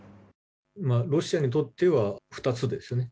ロシアにとっては２つですね。